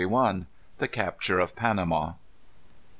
_The Capture of Panama.